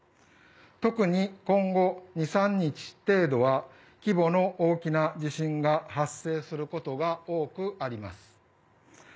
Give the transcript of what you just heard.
特に今後、２３日程度は規模の大きな地震が発生することが多くあります。